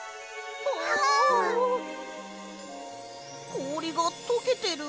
こおりがとけてる！